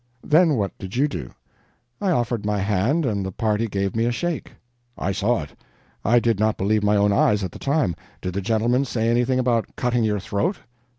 Then what did you do?" "I offered my hand and the party gave me a shake." "I saw it! I did not believe my own eyes, at the time. Did the gentleman say anything about cutting your throat?"